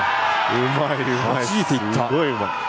はじいていった。